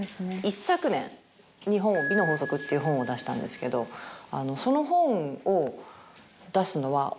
一昨年に『美の法則』っていう本を出したんですけどその本を出すのは。